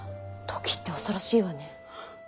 時って恐ろしいわね。